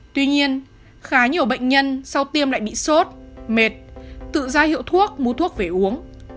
tuy nhiên khá nhiều bệnh nhân sau tiêm lại bị sốt mệt tự ra hiệu thuốc mua thuốc về uống